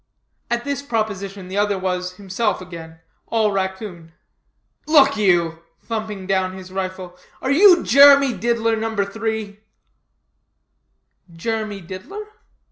At this proposition the other was himself again, all raccoon. "Look you," thumping down his rifle, "are you Jeremy Diddler No. 3?" "Jeremy Diddler?